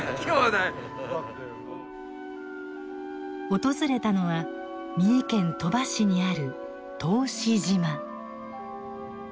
訪れたのは三重県鳥羽市にある答志島。